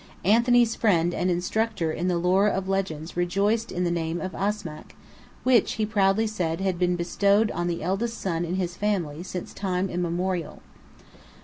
Anthony's friend and instructor in the lore of legends rejoiced in the name of "Asmack," which, he proudly said, had been bestowed on the eldest son in his family, since time immemorial.